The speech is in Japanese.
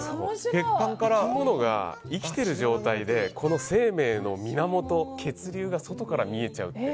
生き物が生きている状態でこの生命の源、血流が外から見えちゃうって